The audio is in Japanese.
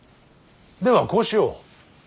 ではこうしよう。